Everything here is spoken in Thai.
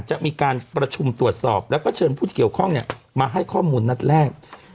จะมีการประชุมตรวจสอบแล้วก็เชิญผู้ที่เกี่ยวข้องมาให้ข้อมูลนัดแรก